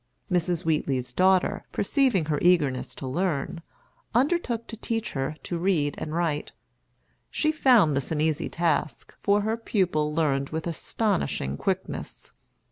Mrs. Wheatley's daughter, perceiving her eagerness to learn, undertook to teach her to read and write. She found this an easy task, for her pupil learned with astonishing quickness.